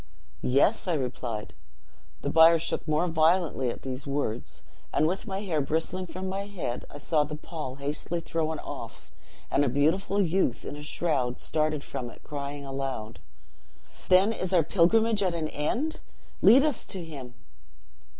"'Yes!' I replied. The bier shook more violently at these words, and, with my hair bristling from my head, I saw the pall hastily thrown off, and a beautiful youth, in a shroud, started from it, crying aloud, 'Then is our pilgrimage at an end! Lead us to him!'